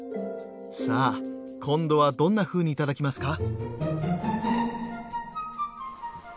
さあ今度はどんなふうに頂きますか？